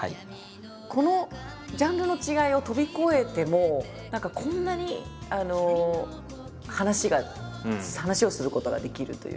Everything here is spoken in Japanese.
このジャンルの違いを飛び越えても何かこんなに話が話をすることができるというか。